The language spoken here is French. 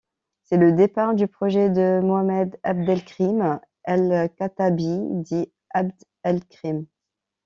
C'est le départ du projet de Mohamed Abdelkrim el-Khattabi, dit Abd el-Krim.